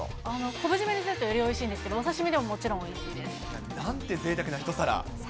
昆布締めにするとよりおいしいんですけど、お刺身でももちろなんてぜいたくな一皿。